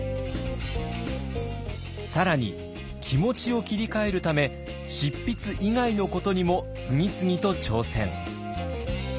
更に気持ちを切り替えるため執筆以外のことにも次々と挑戦。